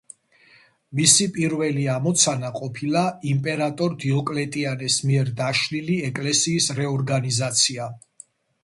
მისი პირველი ამოცანა ყოფილა იმპერატორ დიოკლეტიანეს მიერ დაშლილი ეკლესიის რეორგანიზაცია.